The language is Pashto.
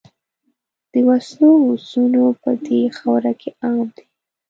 د وسلو هوسونه په دې خاوره کې عام دي.